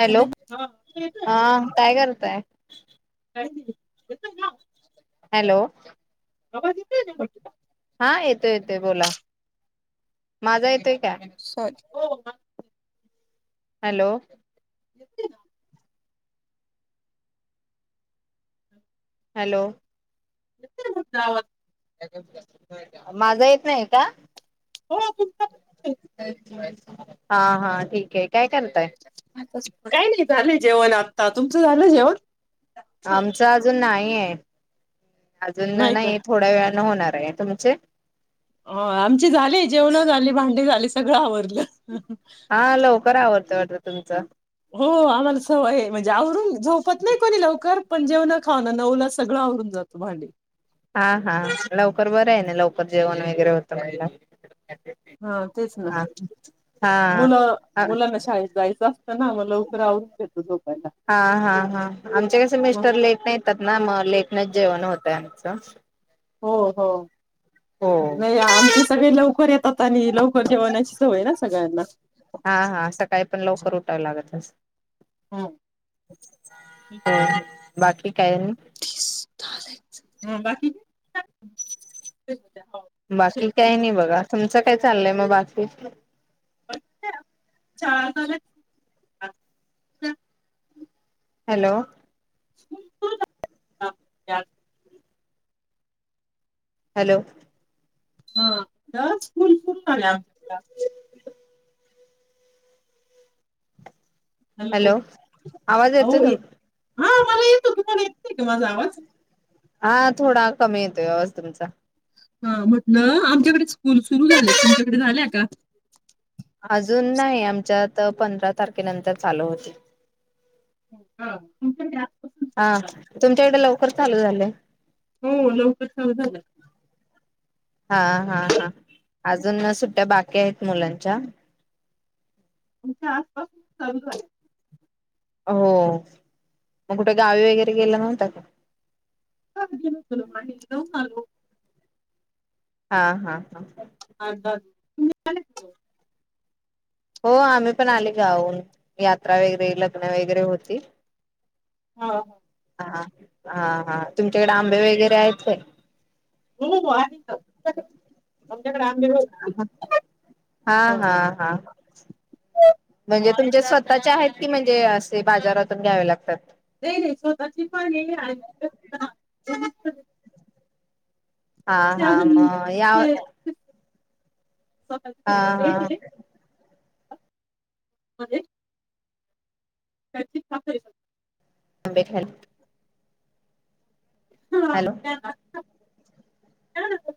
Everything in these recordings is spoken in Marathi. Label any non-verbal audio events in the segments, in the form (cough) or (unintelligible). हॅलो हा आता येतोय आवाज हा काय करताय काही नाही येतोय ना हॅलो, आबा (unintelligible) हा येतोय येतोय बोला, माझा येतोय? क्या सॉरी हो ना हॅलो, (unintelligible) हॅलो (unintelligible) (unintelligible) माझा येत नाही का, हो तुमच (unintelligible) हा हा ठीक आहे काय करताय? (unintelligible) काय नाही झालं जेवण आता, तुमचं झालं जेवण? आमच अजून नाही (unintelligible) अजून न नाही थोड्या वेळान न होणार आहे तुमचे झाल सगळ आधारें हा लवकर आवरताय‌ वाटत तुमचा हो आम्हाला सवय आहे. म्हणजे आवरून झोपत नाही कोणी लवकर पण जेवण खाऊन नऊला सगळं आवरून जातो भांडी हा हा लाव (inaudible) पर बरं आहे ना लवकर जेवण वगैरे होतं मनल्यावर हा तेच ना हा मुलं हा मुलांना शाळेत जायचं असतं ना मग लवकर आवरुन घेत हा हा हा आमचे कसे मिस्टर लेट नं येतात ना मग लेटनच जेवण होतय चा (inaudible) हो हो होय आमचे सगळे लवकर येतात तनी लव (unintelligible) जेवानाची सवय ना सगळ्यांना उठाव लागत असेल ह (inaudible) हां बाकी काय? आणि (unintelligible) बाकी काय नाही बाकी काय? नाही बघा तुमचं काय चाललंय? मग बाकी चार झालेत (unintelligible) हॅलो (inaudible) हॅलो हां इथं स्कूल सुरू झाल्या आमच्याकडं हॅलो आवाज येतोय तुम हां मला येतो तुम्हाला येत नाही का? माझा आवाज हां थोडा कमी येतोय आवाज तुमचा हां म्हटलं आमच्याकडे स्कूल सुरू झाल्यात तुमच्याकडे झाल्या का? अजून नाही आमच्यात पंधरा तारखेनंतर चालू होतील हां (unintelligible) हां तुमच्याकडे लव कर चालू झाले झाल्या. हो लवकर चालू झाल्या हां हां हां अजून सुट्ट्या बाकी आहेत मुलांच्या आमच्या आसपास चालू झाले आहेत हो मग कुठे गावी वगैरे गेला नव्हता का? हां गेलो होतो ना माहेरी जाऊन आलो हां हां हां आठ दहा दिवस तुम्ही आल्या का जाऊन? हो आम्ही पण आले गावाहून यात्रा वगैरे, लग्न वगैरे होती. हां हां हां हां तुमच्याकडे आंबे वगैरे आहेत काय? हो आहेत ना तुमच्याकडे आमच्याकड आंबे भरपूर हां आहे. हां हां म्हणजे तुमचे स्वतःचे आहेत की, म्हणजे असे बाजारातून घ्यावे लागतात नाही नाही स्वतःची पण आहे आणि ह (inaudible) हां हां म या सकाळचे हा थोडे हा लेट आहे अ बरी हाईस त्याची (unintelligible) आंब्याची आहेत. हां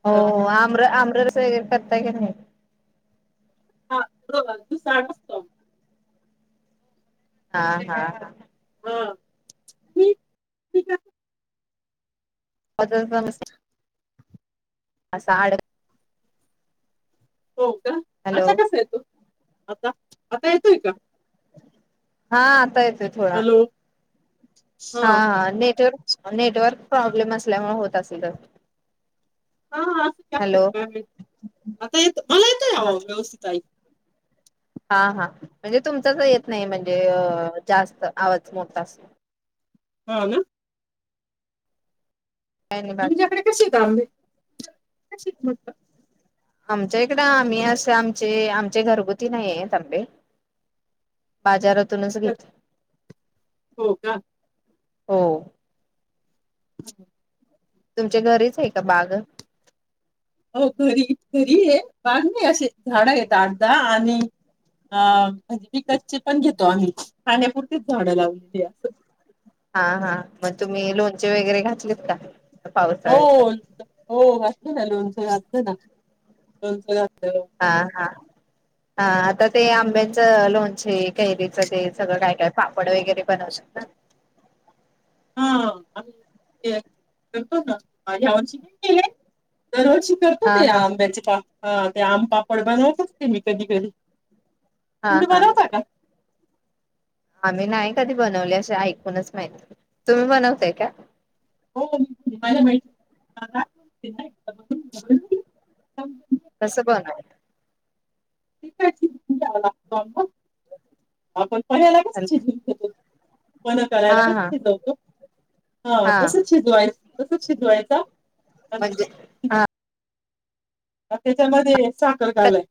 हो आम्र आम्र तिकड स करता की नाही हा (unintelligible) हा हा हा हा (unintelligible) (unintelligible) असं अडक हो का हॅलो आता कसा येतो आता आता येतोय का? हा आता येतं ते थोडा हॅलो हा हा नेटवर्क नेटवर्क प्रॉब्लेम असल्यामुळे होत असेल हा असं हॅलो (unintelligible) आता येत हा येतो हा अहो व्यवस्थित ऐकू हा हा म्हणजे तुमचाच येत नाही म्हणजे जास्त आवाज मोठा असत हा ना काय नाही बाकी तुमच्याकडे कसेत आंबे? (unintelligible) कसे ते म्हटलं आमच्या इकडं आम्ही असे आमचे आमचे घरगुती नाही आहेत आंबे बाजारातूनच विकत घेत हो का हो (unintelligible) तुमच्या घरीच हाय का बाग? हो घरी घरीये बाग नाहीये असे झाड येत आठ दहा आणि आ म्हणजे विकतचे पण घेत आम्ही खाण्यापुरतीच झाडं लावलेली असं हा हा मग तुम्ही लोण वगैरे घातलेत का? हो हो पावसाळ्यासाठी (unintelligible) हो हो हो ना लोनचा घातला ना लोणचं घात हा हा हा आ आत्ताच ते आंब्यांचं लोणचे कैरीच ते सगळं काय काय पापड वगैरे ते बनवतात ना. हा आम्ही (unintelligible) करतो ना यावर्षी नाय केलय. दरवर्षी करतो हा की हा आंब्याचे पा हा ते आम पापड बनवतोच की मी कधी कधी हा तुम्ही हा बनवता का आम्ही नाही कधी बनवले असे ऐकूनच माहिती तुम्ही बनवताय का? हो (unintelligible) कसं बनवता? (unintelligible) अ आपण पायाला कसं शिजून ठेवतो. पन्ह हा करायला कसं हा शिजवतो हा तसंच शिजवाय तसंच शिजवायचा म्हणजे हा मग त्याच्यामध्ये साखर घालाय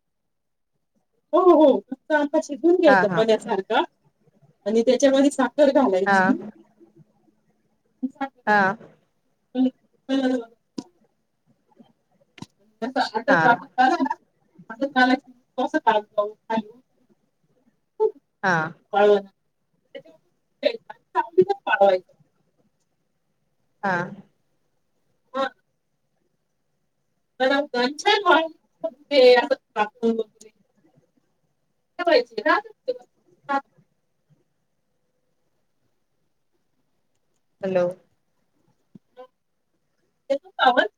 हो हो (unintelligible) असे धून हा घ्यायचं हा पण्यासारखं आणि त्याच्या मधे सा तर हा घालायची. (inaudible) हा (unintelligible) आता हा हा आटत वाटत आला नां (unintelligible) काल एक डोसा (inaudible) हा वाळवण (unintelligible) सावलीलाच वाळवायचे. हा (unintelligible) (unintelligible) (unintelligible) हॅलो हॅलो येतोय का आवाज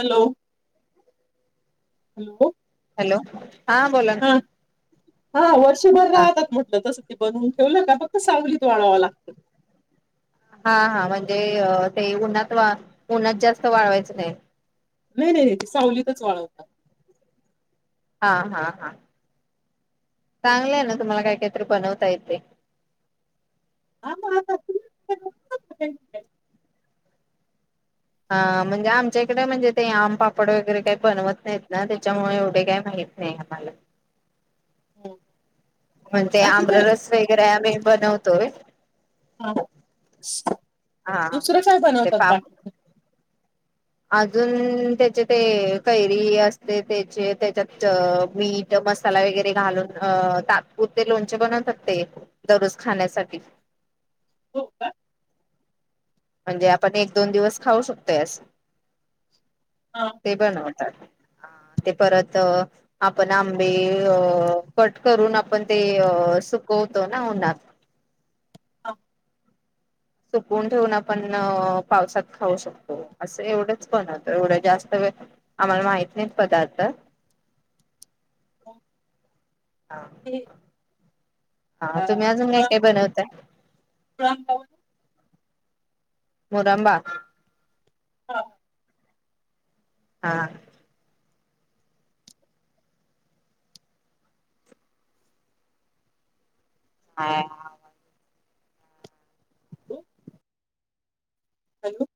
हॅलो हॅलो हॅलो हा बोला ना हा हा व वर्षभर राहतात म्हटलं तसं ते बनवून ठेवलं का फक्त सावलीत वाळवावं लागतं हा हा म्हणजे ते उन्हात वा उन्हात जास्त वाळवायचं नाही नाही नाही नाही ते सावलीतच वाळवतात. हा हा हा चांगलंय ना तुम्हाला काय काहीतरी बनवता येते आ आता तु हा म्हणजे आमच्या इकडे म्हणजे ते आम पापड वगैरे काही बनवत नाहीत ना, त्याच्यामुळे एवढे काही माहित नाही आम्हाला हम् म्हणजे आमरस वेगैरे आम्ही बनवतो तोवे हा हा दुसरं काय ते बनवतात पाप बाकीच? अजून त्याचे ते कैरी असते त्याचे त्याच्यात अ मीठ मसाला वेगेरे घालून अ तात्पुरते लोणचे बनवतात ते दररोज खाण्यासाठी हो का म्हणजे आपण एक दोन दिवस खाऊ शकतोय असं हा ते बनवून अ आ ते परत आपण आंबे अ कट करून आपण ते अ सुकवतो ना उन्हात हा सुकवून ठेवून आपण अ पावसात खाऊ शकतो असं एवढच पण होत एवढं जास्त वेळ आम्हाला माहित नाईत पदार्थ मग आ ते हा तुम्ही अजून काय काय बनवताय? प्रण पाऊल मुरांबा हा, हा हा आ हॅलो